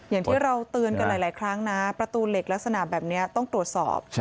อย่างที่เราเตือนกันหลายครั้งนะประตูเหล็กลักษณะแบบนี้ต้องตรวจสอบ